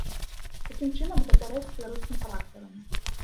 Такім чынам, гэта рэч з беларускім характарам.